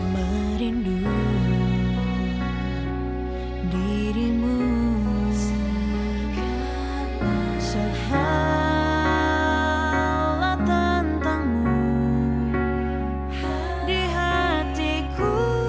berarti memang dari awal saya tidak pernah melepas ini